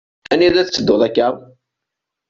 Anida i tetteddu akka?